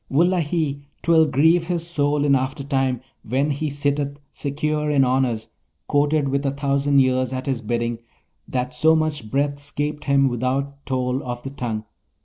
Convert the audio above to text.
Wullahy, 'twill grieve his soul in aftertime when he sitteth secure in honours, courted, with a thousand ears at his bidding, that so much breath 'scaped him without toll of the tongue!